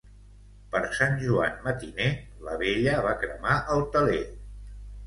Per Sant Joan matiner la vella va cremar el teler.